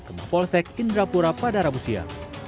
ke mepolsek indrapura padarabusia